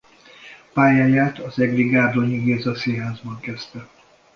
Pályáját az egri Gárdonyi Géza Színházban kezdte.